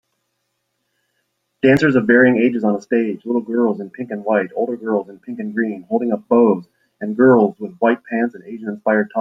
Dancers of varying ages on a stage little girls in pink and white older girls in pink and green holding up bows and girls with white pants and Asian inspired tops